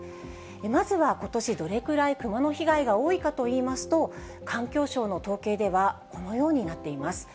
まずは、ことし、どれくらいクマの被害が多いかといいますと、環境省の統計では、このようになっています。